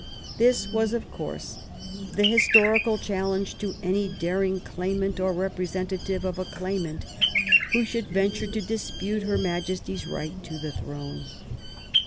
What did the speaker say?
This was, of course, the historical challenge to any daring claimant or representative of a claimant who should venture to dispute her Majesty's right to the throne.